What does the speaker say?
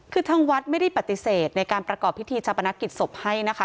คือทางวัดไม่ได้ปฏิเสธในการประกอบพิธีชาปนกิจศพให้นะคะ